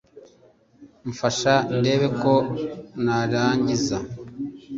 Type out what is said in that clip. mfasha ndebe ko narangiza